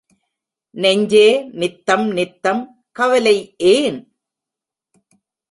நெஞ்சே நித்தம் நித்தம் கவலை ஏன்?